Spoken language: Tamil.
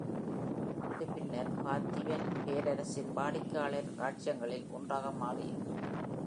இது பின்னர் பார்த்தியன் பேரரசின் வாடிக்கையாளர் இராச்சியங்களில் ஒன்றாக மாறியது.